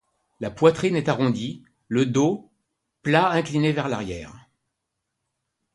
La poitrine est arrondie, le dos, plat incliné vers l'arrière.